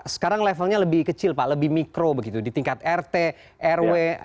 sekarang levelnya lebih kecil pak lebih mikro begitu di tingkat rt rw